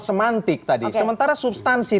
semantik tadi sementara substansi